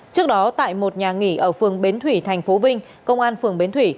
trước đó tại một nhà nghỉ ở phường bến thủy tp vinh công an phường bến thủy